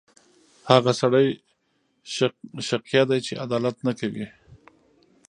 هغه سړی شقیه دی چې عدالت نه کوي.